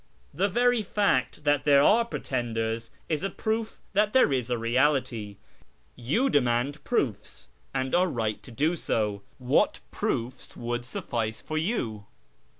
The very fact that there are pretenders is a proof that there is a reality. You demand proofs, and you are right to do so. What proofs would suffice for you